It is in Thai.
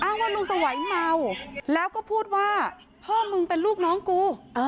ว่าลุงสวัยเมาแล้วก็พูดว่าพ่อมึงเป็นลูกน้องกู